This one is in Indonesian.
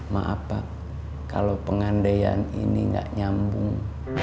maaf pak kalau pengandaian ini gak nyambung